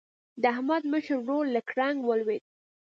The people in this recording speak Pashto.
د احمد مشر ورور له ګړنګ ولوېد.